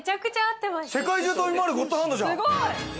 世界中飛び回るゴッドハンドじゃん！